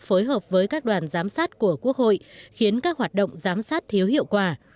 phối hợp với các đoàn giám sát của quốc hội khiến các hoạt động giám sát thiếu hiệu quả